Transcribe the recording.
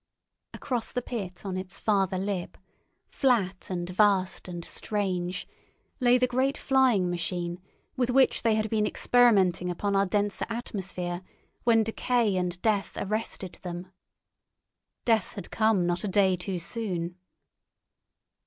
Across the pit on its farther lip, flat and vast and strange, lay the great flying machine with which they had been experimenting upon our denser atmosphere when decay and death arrested them. Death had come not a day too soon.